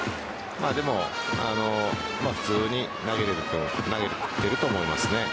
でも、普通に投げていると思いますね。